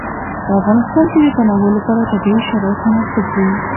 په افغانستان کې د تنوع لپاره طبیعي شرایط مناسب دي.